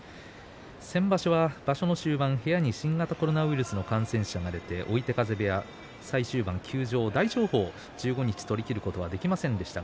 先場所は場所の終盤部屋に新型コロナウイルスの感染者が出て追手風部屋は終盤、大翔鵬は１５日間取りきることができませんでした。